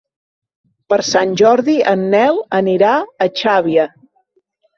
Per Sant Jordi en Nel anirà a Xàbia.